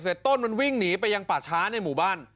ต้นมันวิ่งหนีไปยังป่าช้าในหมู่บ้าน